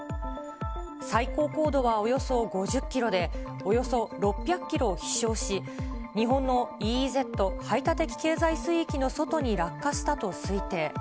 最高高度はおよそ５０キロで、およそ６００キロ飛しょうし、日本のＥＥＺ・排他的経済水域の外に落下したと推定。